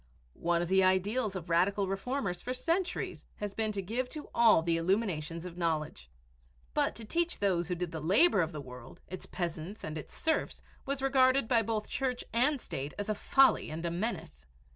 One of the ideals of radical reformers for centuries had been to give to all the illumination of knowledge. But to teach those who did the labor of the world, its peasants and its serfs, was regarded by both Church and State as a folly and a menace.